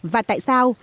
và tại sao